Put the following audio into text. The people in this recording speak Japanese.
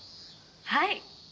はい。